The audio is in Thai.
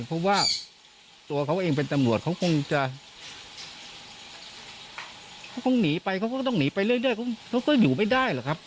เพราะว่าตัวเค้าเองเป็นตำรวจเขาคงนีไปก็ต้องนีไปเรื่อยเขาอยู่ไม่ได้แหละครับ